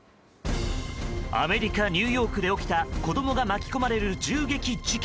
アメリカ・ニューヨークで起きた子供が巻き込まれる銃撃事件。